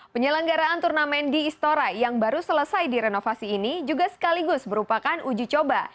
penyelenggaraan turnamen di istorai yang baru selesai di renovasi ini juga sekaligus berupakan uji coba